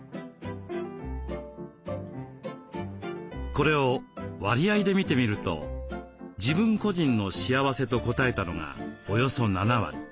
これを割合で見てみると「自分個人の幸せ」と答えたのがおよそ７割。